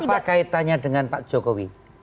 apa kaitannya dengan pak jokowi